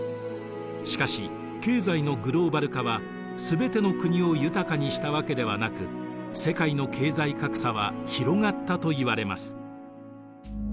しかし経済のグローバル化は全ての国を豊かにしたわけではなく世界の経済格差は広がったといわれます。